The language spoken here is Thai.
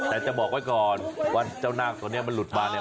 แต่จะบอกไว้ก่อนว่าเจ้านาคตัวนี้มันหลุดมาเนี่ย